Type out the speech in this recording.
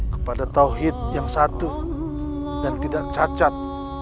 kepada tauhid yang satu dan tidak cacat